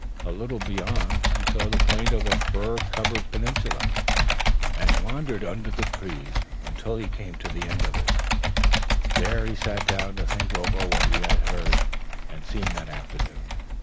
A little beyond he saw the point of a fir covered peninsula, and wandered on under the trees till he came to the end of it; there he sat down to think over what he had heard and seen that afternoon.